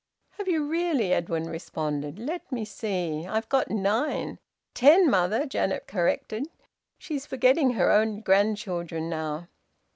"Have you really?" Edwin responded. "Let me see " "I've got nine." "Ten, mother," Janet corrected. "She's forgetting her own grandchildren now!"